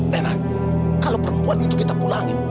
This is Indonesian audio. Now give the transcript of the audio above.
memang kalau perempuan itu kita pulangin